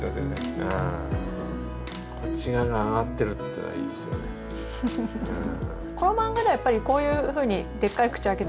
こっち側が上がってるっていうのがいいですよねうん。